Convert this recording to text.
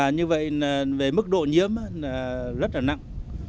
như vậy về mức độ nhiễm rất là nặng